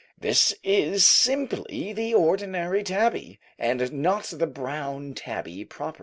This is simply the ordinary tabby, and not the brown tabby proper.